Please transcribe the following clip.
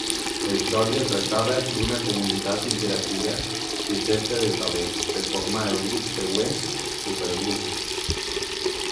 La història tractava d'una comunitat interactiva de cerca de talents per formar el següent Supergrup.